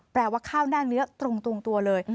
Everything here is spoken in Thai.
แปลว่าข้าวหน้าเนื้อตรงตัวเลย